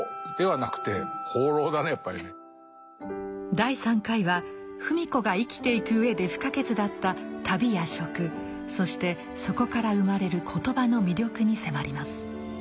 第３回は芙美子が生きていく上で不可欠だった旅や食そしてそこから生まれる言葉の魅力に迫ります。